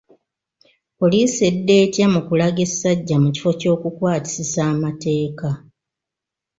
Poliisi edda etya mu kulaga essajja mu kifo ky’okukwasisa amateeka!